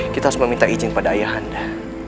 kita harus meminta izin pada ayah anda